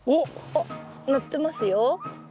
あっなってますよ。